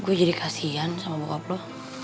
gue jadi kasihan sama bokap lo